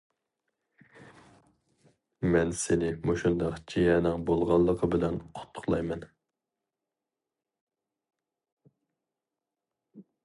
مەن سېنى مۇشۇنداق جىيەنىڭ بولغانلىقى بىلەن قۇتلۇقلايمەن.